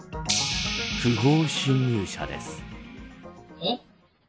不法侵入者です。